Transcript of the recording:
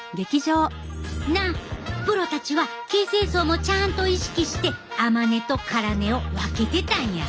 プロたちは形成層もちゃんと意識して甘根と辛根を分けてたんや。